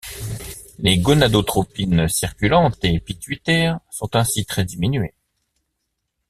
Les gonadotropines circulantes et pituitaires sont ainsi très diminuées.